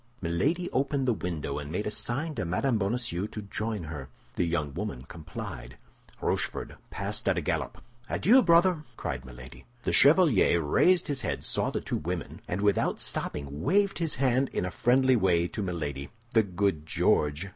Milady opened the window, and made a sign to Mme. Bonacieux to join her. The young woman complied. Rochefort passed at a gallop. "Adieu, brother!" cried Milady. The chevalier raised his head, saw the two young women, and without stopping, waved his hand in a friendly way to Milady. "The good George!"